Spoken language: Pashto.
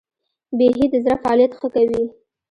بیهي د زړه فعالیت ښه کوي.